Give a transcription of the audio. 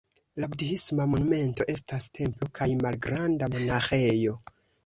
La Budhisma monumento estas templo kaj malgranda monaĥejo.